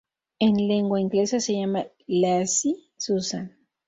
En lengua inglesa, se llama "Lazy Susan".